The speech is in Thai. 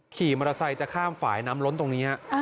ขี่มอเตอร์ไซค์จะข้ามฝ่ายน้ำล้นตรงนี้